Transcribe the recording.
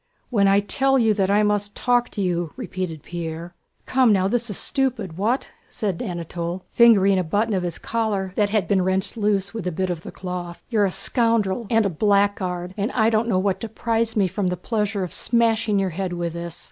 "When I tell you that I must talk to you!..." repeated Pierre. "Come now, this is stupid. What?" said Anatole, fingering a button of his collar that had been wrenched loose with a bit of the cloth. "You're a scoundrel and a blackguard, and I don't know what deprives me from the pleasure of smashing your head with this!"